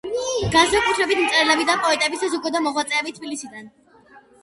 განსაკუთრებით მწერლები და პოეტები, საზოგადო მოღვაწეები თბილისიდან.